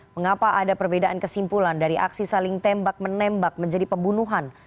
mengapa ada perbedaan kesimpulan dari aksi saling tembak menembak menjadi pembunuhan